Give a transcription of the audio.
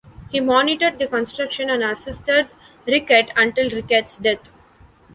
He monitored the construction and assisted Riquet until Riquet's death.